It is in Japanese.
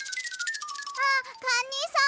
あっカニさん！